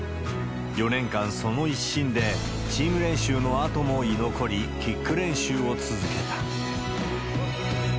４年間、その一心で、チーム練習のあとも居残り、キック練習を続けた。